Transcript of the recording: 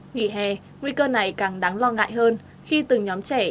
nghỉ hè nguy cơ này càng đáng lo ngại hơn khi từng nhóm trẻ